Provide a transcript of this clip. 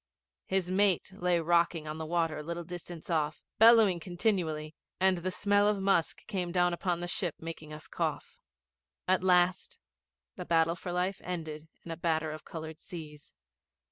His mate lay rocking on the water a little distance off, bellowing continually, and the smell of musk came dawn upon the ship making us cough. At last the battle for life ended in a batter of coloured seas.